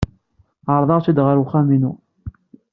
Ɛerḍeɣ-t-id ɣer wexxam-inu.